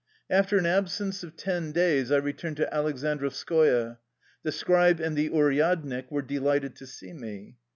After an absence of ten days I returned to Aleksandrovskoye. The scribe and the uryad nik were delighted to see me.